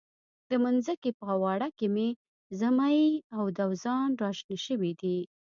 د منځکي په اواړه کې زمۍ او دوزان را شنه شوي دي.